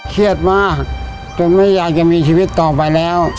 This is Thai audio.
เครียดมากจนไม่อยากจะมีชีวิตต่อไปแล้ว